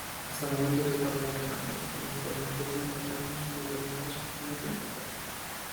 Hasta el momento, se está relacionando con polimorfismos maternos en determinadas enzimas del metabolismo.